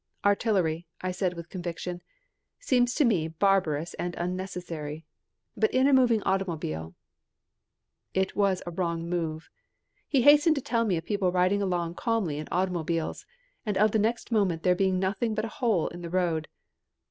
"Artillery," I said with conviction, "seems to me barbarous and unnecessary. But in a moving automobile " It was a wrong move. He hastened to tell me of people riding along calmly in automobiles, and of the next moment there being nothing but a hole in the road.